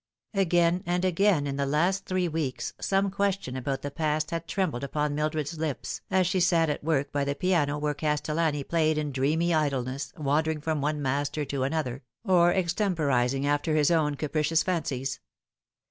Again and again in the last three weeks some question about the past had trembled upon Mildred's lips as she sat at work by the piano where Castellani played in dreamy idleness, wandering from one master to another, or extemporising after his own capricious fancies.